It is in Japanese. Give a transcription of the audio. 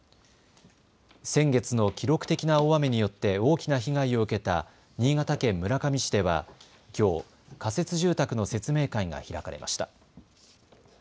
先月の記録的な大雨によって大きな被害を受けた新潟県村上市では、きょう仮設住宅の説明会が開かれました。